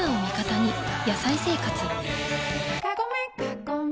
「野菜生活」